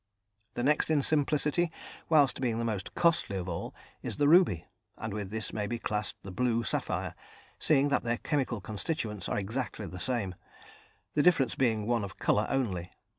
The next in simplicity, whilst being the most costly of all, is the ruby, and with this may be classed the blue sapphire, seeing that their chemical constituents are exactly the same, the difference being one of colour only.